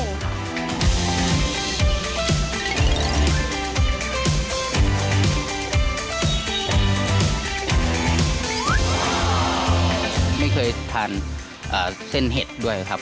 ไม่เคยทานเส้นเห็ดด้วยครับ